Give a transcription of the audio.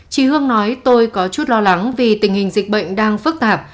chị hương nói tôi có chút lo lắng vì tình hình dịch bệnh đang phức tạp